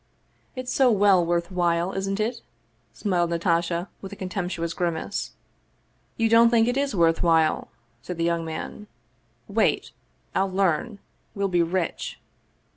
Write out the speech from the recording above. " It's so well worth while, isn't it ?" smiled Natasha with a contemptuous grimace. " You don't think it is worth while ?" said the young man. "Wait! I'll learn. We'll be rich